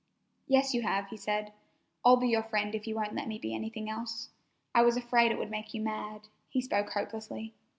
"Yes, you have," he said. "I'll be your friend if you won't let me be anything else. I was afraid it would make you mad," he spoke hopelessly.